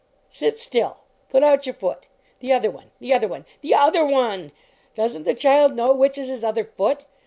"Sit still! " Put out your foot! "The other one the other one THE OTHER ONE! Doesn t the child know which is his other foot?